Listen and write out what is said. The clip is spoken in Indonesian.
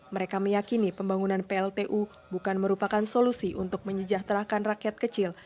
mereka meyakini pembangunan pltu bukan merupakan solusi untuk menyejahterakan rakyat kecil